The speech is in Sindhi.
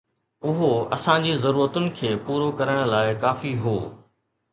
اهو اسان جي ضرورتن کي پورو ڪرڻ لاء ڪافي هو